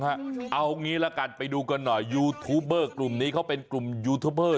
เอางี้ละกันไปดูกันหน่อยยูทูปเบอร์กลุ่มนี้เขาเป็นกลุ่มยูทูบเบอร์